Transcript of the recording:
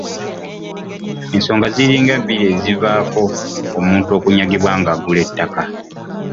Ensonga ziringa bbiri ezivaako omuntu okunyagibwa nga agula ettaka.